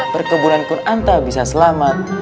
perkebunan kur anta bisa selamat